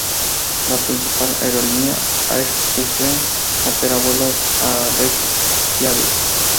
La principal aerolínea, Air Iceland, opera vuelos a Reikiavik.